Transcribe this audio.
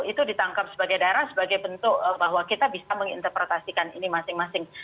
itu ditangkap sebagai daerah sebagai bentuk bahwa kita bisa menginterpretasikan ini masing masing